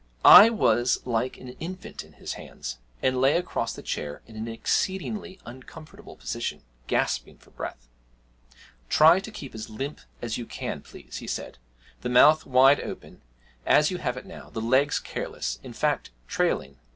I was like an infant in his hands, and lay across the chair, in an exceedingly uncomfortable position, gasping for breath. 'Try to keep as limp as you can, please,' he said, 'the mouth wide open, as you have it now, the legs careless in fact, trailing.